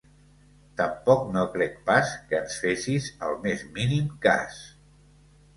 Tampoc no crec pas que ens fessis el més mínim cas.